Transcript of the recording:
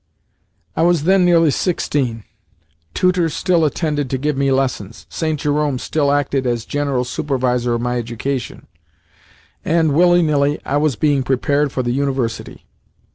I was then nearly sixteen. Tutors still attended to give me lessons, St. Jerome still acted as general supervisor of my education, and, willy nilly, I was being prepared for the University.